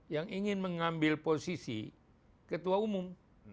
yang ingin mengambil posisi ketua umum